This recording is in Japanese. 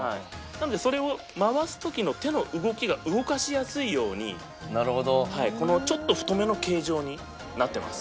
なのでそれを回す時の手の動きが動かしやすいようにこのちょっと太めの形状になってます。